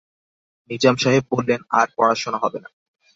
নিজাম সাহেব বললেন, আর পড়াশোনা হবে না।